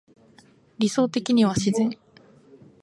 理想的には自然